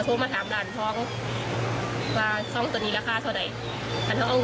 คล้องแถ่อยู่บ้างไม่ค่ะแถ่